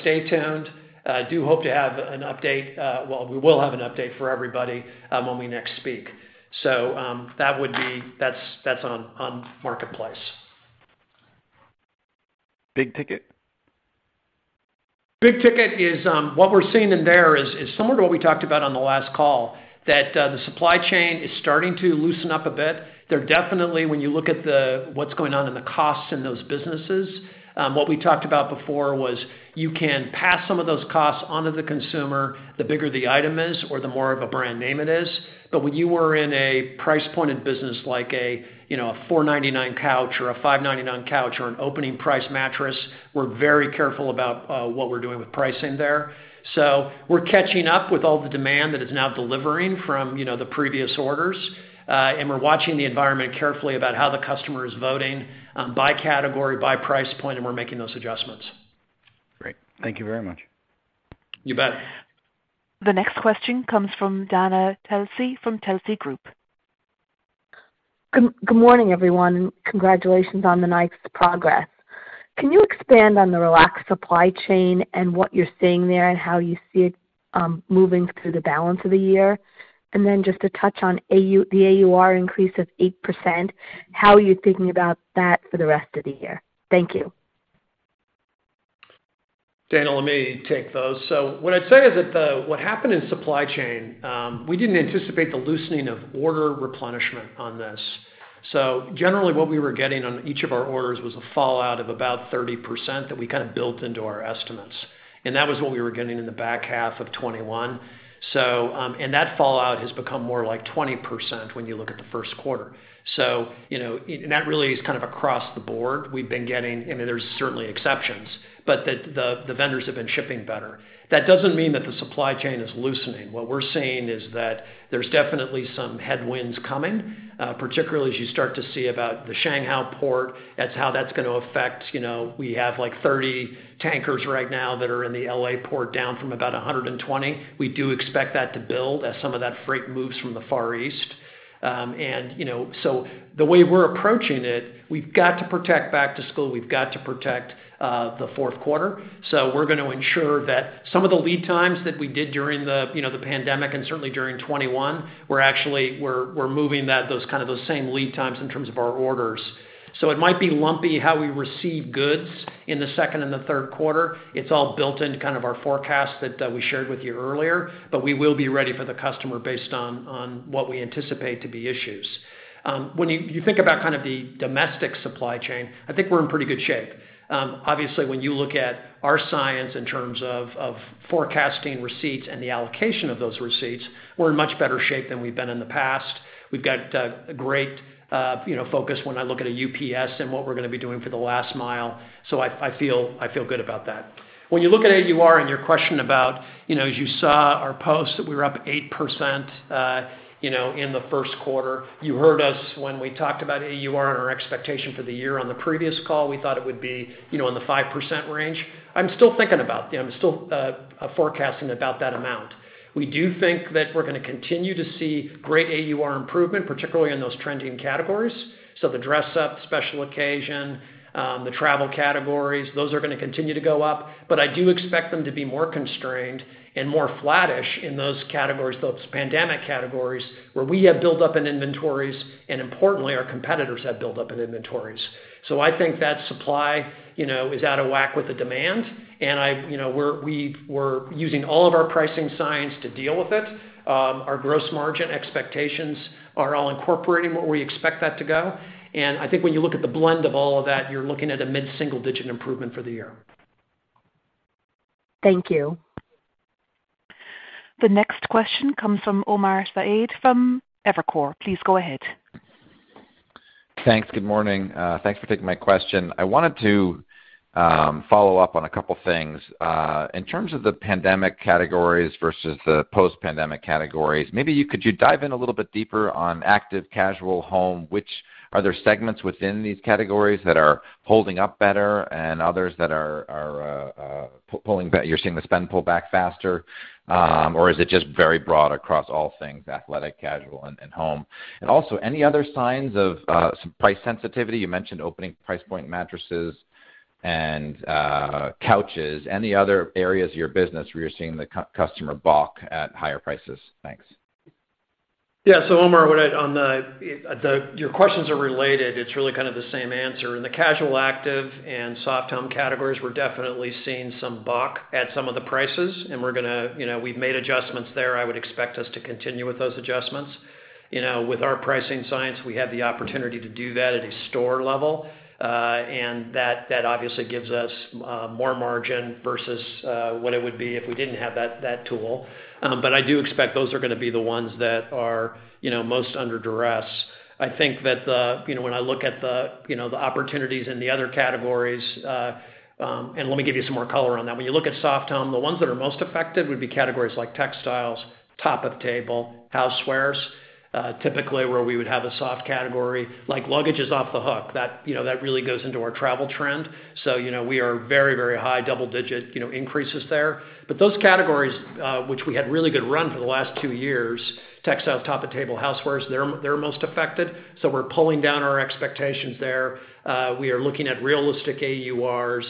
Stay tuned. I do hope to have an update. Well, we will have an update for everybody when we next speak. That’s on Marketplace. Big ticket. Big ticket is what we're seeing in there is similar to what we talked about on the last call, that the supply chain is starting to loosen up a bit. There definitely, when you look at what's going on in the costs in those businesses, what we talked about before was you can pass some of those costs onto the consumer, the bigger the item is or the more of a brand name it is. But when you were in a price pointed business like a, you know, a $499 couch or a $599 couch or an opening price mattress, we're very careful about what we're doing with pricing there. So we're catching up with all the demand that is now delivering from, you know, the previous orders. We're watching the environment carefully about how the customer is voting by category, by price point, and we're making those adjustments. Great. Thank you very much. You bet. The next question comes from Dana Telsey from Telsey Group. Good morning, everyone. Congratulations on the nice progress. Can you expand on the relaxed supply chain and what you're seeing there and how you see it moving through the balance of the year? Just to touch on the AUR increase of 8%, how are you thinking about that for the rest of the year? Thank you. Dana, let me take those. What I'd say is that what happened in supply chain, we didn't anticipate the loosening of order replenishment on this. Generally what we were getting on each of our orders was a fallout of about 30% that we kind of built into our estimates. That was what we were getting in the back half of 2021. That fallout has become more like 20% when you look at the first quarter. You know, that really is kind of across the board. We've been getting. I mean, there's certainly exceptions, but the vendors have been shipping better. That doesn't mean that the supply chain is loosening. What we're seeing is that there's definitely some headwinds coming, particularly as you start to see about the Shanghai port. That's how that's gonna affect. You know, we have like 30 tankers right now that are in the L.A. port, down from about 120. We do expect that to build as some of that freight moves from the Far East. You know, the way we're approaching it, we've got to protect back to school. We've got to protect the fourth quarter. We're gonna ensure that some of the lead times that we did during the, you know, the pandemic and certainly during 2021, we're actually moving those kind of same lead times in terms of our orders. It might be lumpy how we receive goods in the second and the third quarter. It's all built into kind of our forecast that we shared with you earlier. We will be ready for the customer based on what we anticipate to be issues. When you think about kind of the domestic supply chain, I think we're in pretty good shape. Obviously, when you look at our science in terms of forecasting receipts and the allocation of those receipts, we're in much better shape than we've been in the past. We've got a great, you know, focus when I look at UPS and what we're gonna be doing for the last mile. So I feel good about that. When you look at AUR and your question about, you know, as you saw our post that we were up 8%, you know, in the first quarter. You heard us when we talked about AUR and our expectation for the year on the previous call. We thought it would be, you know, in the 5% range. I'm still forecasting about that amount. We do think that we're gonna continue to see great AUR improvement, particularly in those trending categories. The dress up, special occasion, the travel categories, those are gonna continue to go up. I do expect them to be more constrained and more flattish in those categories, those pandemic categories, where we have built up in inventories, and importantly, our competitors have built up in inventories. I think that supply, you know, is out of whack with the demand. You know, we're using all of our pricing science to deal with it. Our gross margin expectations are all incorporating where we expect that to go. I think when you look at the blend of all of that, you're looking at a mid-single-digit improvement for the year. Thank you. The next question comes from Omar Saad from Evercore. Please go ahead. Thanks. Good morning. Thanks for taking my question. I wanted to follow up on a couple things. In terms of the pandemic categories versus the post-pandemic categories, could you dive in a little bit deeper on active casual home, which are there segments within these categories that are holding up better and others that are pulling back—you're seeing the spend pull back faster? Or is it just very broad across all things athletic, casual, and home? And also any other signs of price sensitivity. You mentioned opening price point mattresses and couches. Any other areas of your business where you're seeing the customer balk at higher prices? Thanks. Yeah. Omar, your questions are related. It's really kind of the same answer. In the casual active and soft home categories, we're definitely seeing some balk at some of the prices, and we're gonna. You know, we've made adjustments there. I would expect us to continue with those adjustments. You know, with our pricing science, we have the opportunity to do that at a store level, and that obviously gives us more margin versus what it would be if we didn't have that tool. But I do expect those are gonna be the ones that are, you know, most under duress. I think that the. You know, when I look at the, you know, the opportunities in the other categories, and let me give you some more color on that. When you look at soft home, the ones that are most affected would be categories like textiles, top of table, housewares, typically where we would have a soft category. Like luggage is off the hook. That you know, that really goes into our travel trend. You know, we are very, very high double-digit, you know, increases there. But those categories, which we had really good run for the last two years, textiles, top of table, housewares, they're most affected. We're pulling down our expectations there. We are looking at realistic AURs.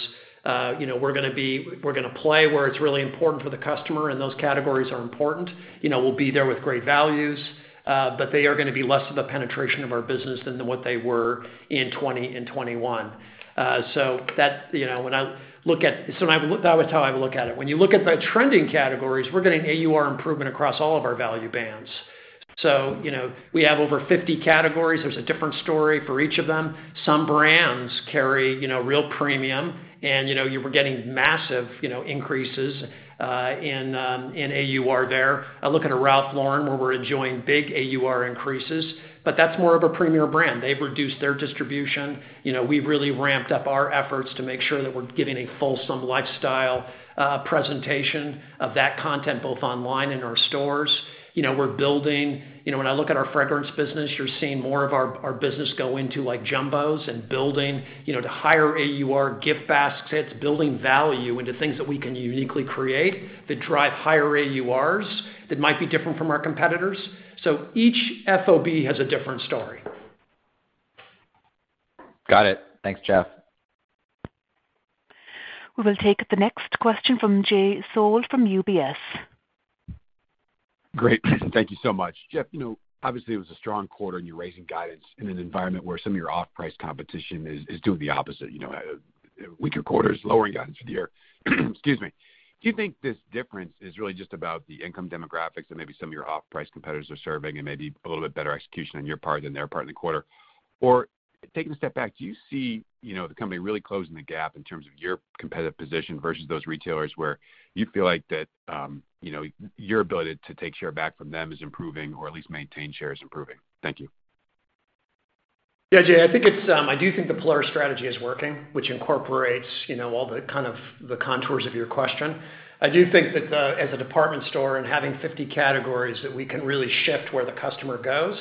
You know, we're gonna play where it's really important for the customer, and those categories are important. You know, we'll be there with great values, but they are gonna be less of the penetration of our business than what they were in 2020 and 2021. That's how I would look at it. When you look at the trending categories, we're getting AUR improvement across all of our value bands. You know, we have over 50 categories. There's a different story for each of them. Some brands carry, you know, real premium, and, you know, you were getting massive, you know, increases in AUR there. I look at a Ralph Lauren, where we're enjoying big AUR increases, but that's more of a premier brand. They've reduced their distribution. You know, we've really ramped up our efforts to make sure that we're giving a fulsome lifestyle presentation of that content both online and in our stores. You know, we're building. You know, when I look at our fragrance business, you're seeing more of our business go into, like, jumbos and building, you know, to higher AUR gift baskets, building value into things that we can uniquely create that drive higher AURs that might be different from our competitors. Each FOB has a different story. Got it. Thanks, Jeff. We will take the next question from Jay Sole from UBS. Great. Thank you so much. Jeff, you know, obviously, it was a strong quarter, and you're raising guidance in an environment where some of your off-price competition is doing the opposite. You know, weaker quarters, lowering guidance for the year. Excuse me. Do you think this difference is really just about the income demographics that maybe some of your off-price competitors are serving and maybe a little bit better execution on your part than their part in the quarter? Or taking a step back, do you see, you know, the company really closing the gap in terms of your competitive position versus those retailers where you feel like that, you know, your ability to take share back from them is improving or at least maintain share is improving? Thank you. Yeah, Jay. I think it's I do think the Polaris strategy is working, which incorporates, you know, all the kind of the contours of your question. I do think that as a department store and having 50 categories, that we can really shift where the customer goes.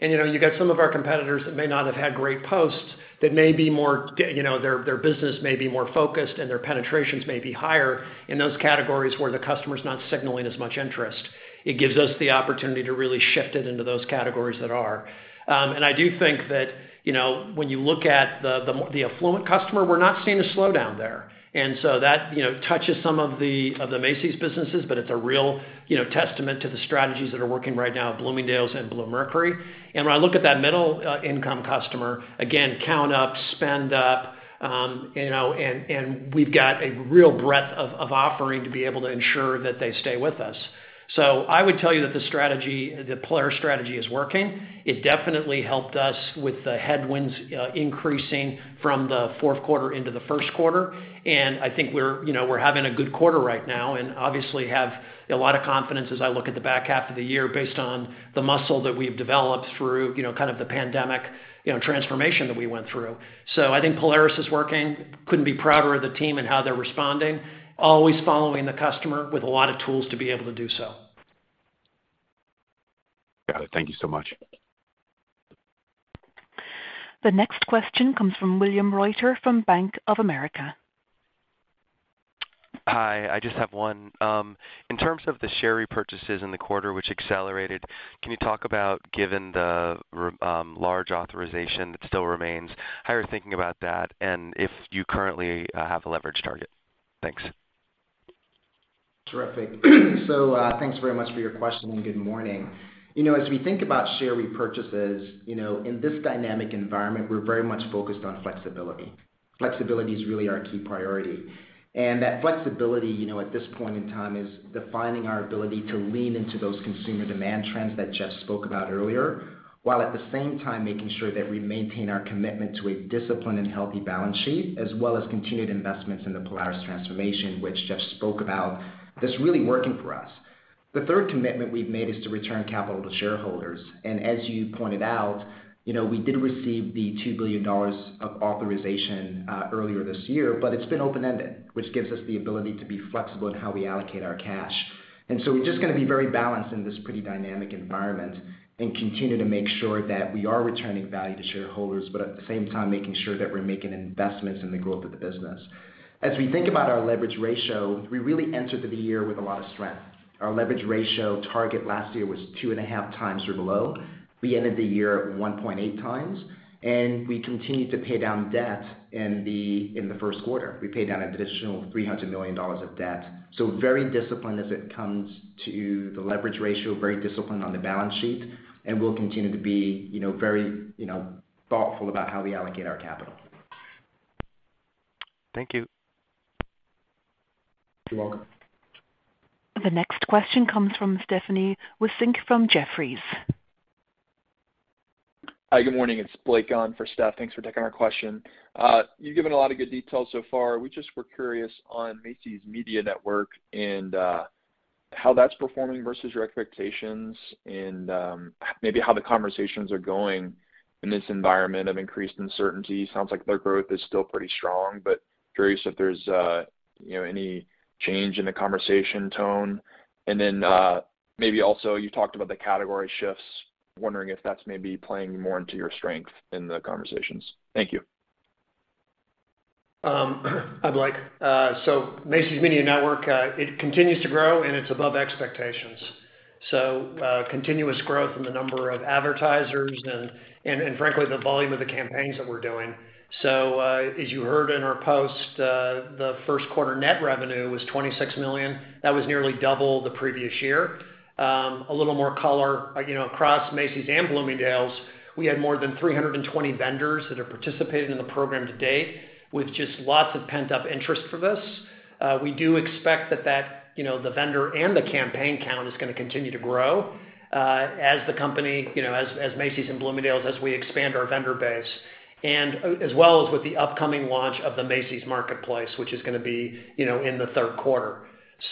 You know, you got some of our competitors that may not have had great posts that may be more, you know, their business may be more focused, and their penetrations may be higher in those categories where the customer's not signaling as much interest. It gives us the opportunity to really shift it into those categories that are. I do think that, you know, when you look at the affluent customer, we're not seeing a slowdown there. That, you know, touches some of the Macy's businesses, but it's a real, you know, testament to the strategies that are working right now at Bloomingdale's and Bluemercury. When I look at that middle income customer, again, count up, spend up, you know, and we've got a real breadth of offering to be able to ensure that they stay with us. I would tell you that the strategy, the Polaris strategy is working. It definitely helped us with the headwinds increasing from the fourth quarter into the first quarter. I think we're, you know, having a good quarter right now and obviously have a lot of confidence as I look at the back half of the year based on the muscle that we've developed through, you know, kind of the pandemic, you know, transformation that we went through. I think Polaris is working. Couldn't be prouder of the team and how they're responding, always following the customer with a lot of tools to be able to do so. Got it. Thank you so much. The next question comes from William Reuter from Bank of America. Hi. I just have one. In terms of the share repurchases in the quarter, which accelerated, can you talk about, given the large authorization that still remains, how you're thinking about that, and if you currently have a leverage target? Thanks. Terrific. Thanks very much for your question, and good morning. You know, as we think about share repurchases, you know, in this dynamic environment, we're very much focused on flexibility. Flexibility is really our key priority. That flexibility, you know, at this point in time, is defining our ability to lean into those consumer demand trends that Jeff spoke about earlier, while at the same time making sure that we maintain our commitment to a disciplined and healthy balance sheet as well as continued investments in the Polaris transformation, which Jeff spoke about, that's really working for us. The third commitment we've made is to return capital to shareholders. As you pointed out, you know, we did receive the $2 billion of authorization earlier this year, but it's been open-ended, which gives us the ability to be flexible in how we allocate our cash. We're just gonna be very balanced in this pretty dynamic environment and continue to make sure that we are returning value to shareholders, but at the same time making sure that we're making investments in the growth of the business. As we think about our leverage ratio, we really entered the year with a lot of strength. Our leverage ratio target last year was 2.5x or below. We ended the year at 1.8x, and we continued to pay down debt in the first quarter. We paid down an additional $300 million of debt. Very disciplined as it comes to the leverage ratio, very disciplined on the balance sheet, and we'll continue to be, you know, very, you know, thoughtful about how we allocate our capital. Thank you. You're welcome. The next question comes from Steph Wissink from Jefferies. Hi. Good morning. It's Blake on for Steph. Thanks for taking our question. You've given a lot of good details so far. We just were curious on Macy's Media Network and how that's performing versus your expectations and maybe how the conversations are going in this environment of increased uncertainty. Sounds like their growth is still pretty strong, but curious if there's, you know, any change in the conversation tone. Maybe also, you talked about the category shifts. Wondering if that's maybe playing more into your strength in the conversations. Thank you. Hi, Blake. Macy's Media Network continues to grow, and it's above expectations. Continuous growth in the number of advertisers and frankly, the volume of the campaigns that we're doing. As you heard in our post, the first quarter net revenue was $26 million. That was nearly double the previous year. A little more color, you know, across Macy's and Bloomingdale's, we had more than 320 vendors that have participated in the program to date, with just lots of pent-up interest for this. We do expect that, you know, the vendor and the campaign count is gonna continue to grow, as the company, you know, as Macy's and Bloomingdale's, as we expand our vendor base. As well as with the upcoming launch of the Macy's Marketplace, which is gonna be, you know, in the third quarter.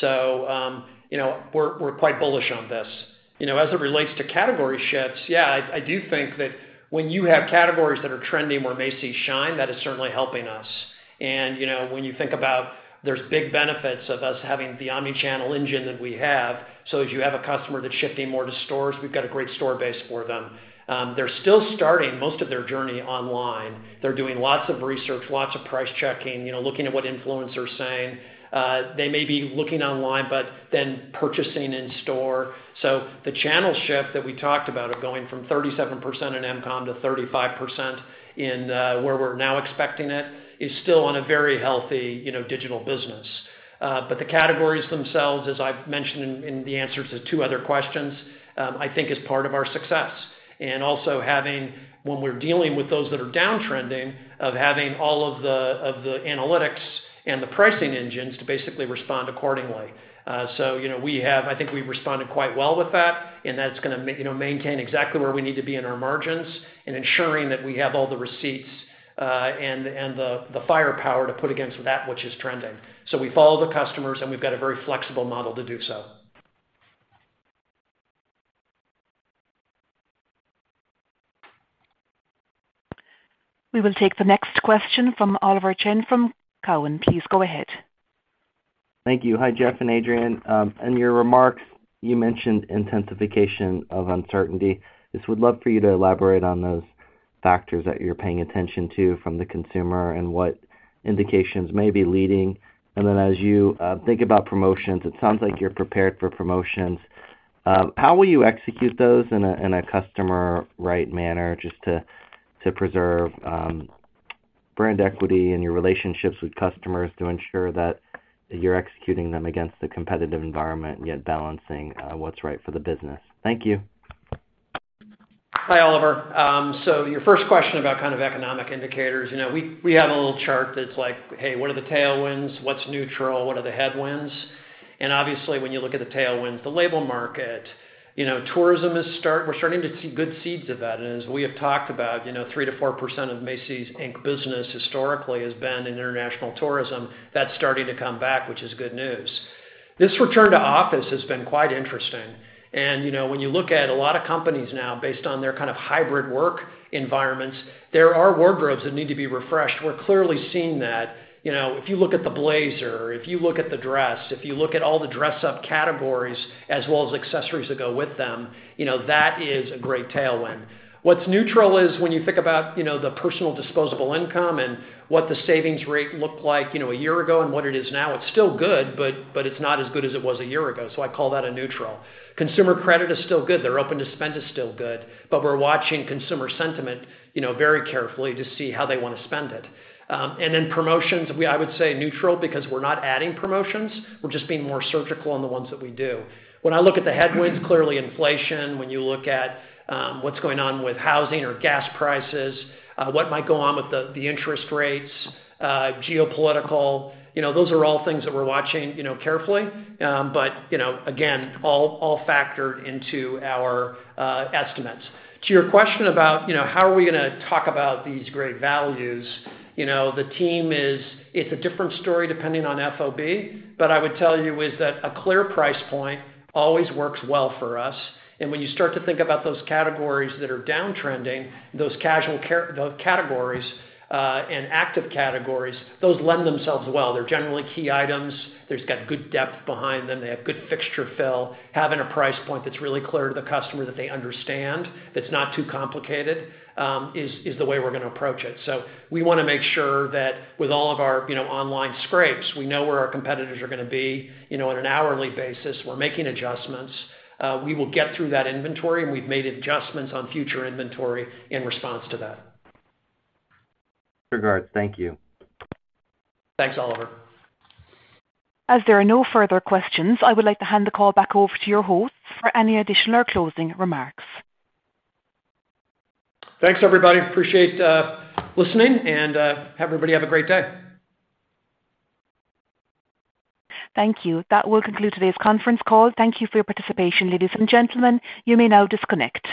You know, we're quite bullish on this. You know, as it relates to category shifts, yeah, I do think that when you have categories that are trending where Macy's shines, that is certainly helping us. You know, when you think about there's big benefits of us having the omni-channel engine that we have, so if you have a customer that's shifting more to stores, we've got a great store base for them. They're still starting most of their journey online. They're doing lots of research, lots of price checking, you know, looking at what influencers are saying. They may be looking online, but then purchasing in store. The channel shift that we talked about is going from 37% in m-commerce to 35% in where we're now expecting it, is still on a very healthy, you know, digital business. The categories themselves, as I've mentioned in the answers to two other questions, I think is part of our success. Also, when we're dealing with those that are downtrending, having all of the analytics and the pricing engines to basically respond accordingly. You know, we have. I think we've responded quite well with that, and that's gonna maintain exactly where we need to be in our margins and ensuring that we have all the receipts, and the firepower to put against that which is trending. We follow the customers, and we've got a very flexible model to do so. We will take the next question from Oliver Chen from Cowen. Please go ahead. Thank you. Hi, Jeff and Adrian. In your remarks, you mentioned intensification of uncertainty. Just would love for you to elaborate on those factors that you're paying attention to from the consumer and what indications may be leading. As you think about promotions, it sounds like you're prepared for promotions. How will you execute those in a customer right manner just to preserve brand equity and your relationships with customers to ensure that you're executing them against the competitive environment and yet balancing what's right for the business? Thank you. Hi, Oliver. Your first question about kind of economic indicators. You know, we have a little chart that's like, hey, what are the tailwinds? What's neutral? What are the headwinds? Obviously, when you look at the tailwinds, the apparel market, you know, tourism we're starting to see good signs of that. As we have talked about, you know, 3%-4% of Macy's, Inc. business historically has been in international tourism. That's starting to come back, which is good news. This return to office has been quite interesting. You know, when you look at a lot of companies now based on their kind of hybrid work environments, there are wardrobes that need to be refreshed. We're clearly seeing that. You know, if you look at the blazer, if you look at the dress, if you look at all the dress up categories as well as accessories that go with them, you know, that is a great tailwind. What's neutral is when you think about, you know, the personal disposable income and what the savings rate looked like, you know, a year ago and what it is now. It's still good, but it's not as good as it was a year ago. I call that a neutral. Consumer credit is still good. Their openness to spend is still good, but we're watching consumer sentiment, you know, very carefully to see how they wanna spend it. Promotions, I would say neutral because we're not adding promotions. We're just being more surgical on the ones that we do. When I look at the headwinds, clearly inflation. When you look at what's going on with housing or gas prices, what might go on with the interest rates, geopolitical, you know, those are all things that we're watching, you know, carefully. You know, again, all factored into our estimates. To your question about, you know, how are we gonna talk about these great values, you know, it's a different story depending on FOB. I would tell you is that a clear price point always works well for us. When you start to think about those categories that are downtrending, those categories and active categories, those lend themselves well. They're generally key items. There's got good depth behind them. They have good fixture fill. Having a price point that's really clear to the customer that they understand, that's not too complicated, is the way we're gonna approach it. We wanna make sure that with all of our, you know, online scrapes, we know where our competitors are gonna be, you know, on an hourly basis. We're making adjustments. We will get through that inventory, and we've made adjustments on future inventory in response to that. Regards. Thank you. Thanks, Oliver. As there are no further questions, I would like to hand the call back over to your hosts for any additional or closing remarks. Thanks, everybody. Appreciate listening, and have everybody have a great day. Thank you. That will conclude today's conference call. Thank you for your participation, ladies and gentlemen. You may now disconnect.